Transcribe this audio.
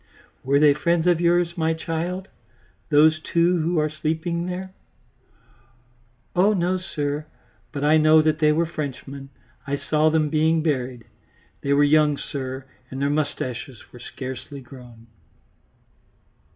"Were they friends of yours, my child, those two who are sleeping there?" "Oh no, sir, but I know that they were Frenchmen; I saw them being buried. They were young, sir, and their moustaches were scarcely grown."